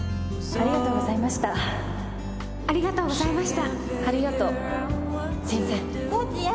ありがとうございましたありがとうございましたありがとう先生達也。